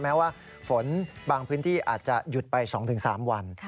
แม้ว่าฝนบางพื้นที่อาจจะหยุดไป๒๓วัน